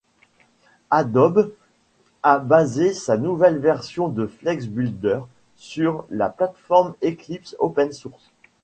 Adobe a basé sa nouvelle version de Flex Builder sur la plate-forme Eclipse open-source.